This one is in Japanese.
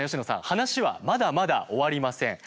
話はまだまだ終わりません。